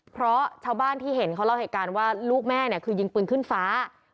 เพราะชาวบ้านที่เห็นเขาเล่าเหตุการณ์ว่าลูกแม่เนี่ยคือยิงปืนขึ้นฟ้า